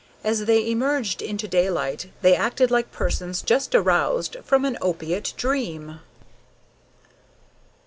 As they emerged into daylight they acted like persons just aroused from an opiate dream.